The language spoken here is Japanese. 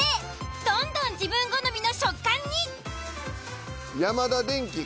どんどん自分好みの食感に。